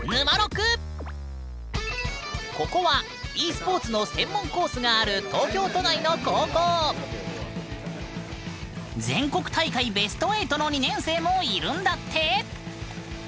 ここはｅスポーツの専門コースがある東京都内の高校全国大会ベスト８の２年生もいるんだって！